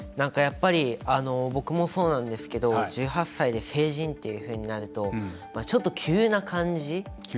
やっぱり僕もそうなんですけど１８歳で成人というふうになるとちょっと急な感じ。